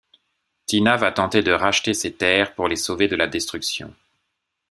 Tina va tenter de racheter ses terres pour les sauver de la destruction.